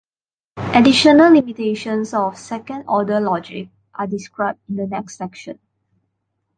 Additional limitations of second order logic are described in the next section.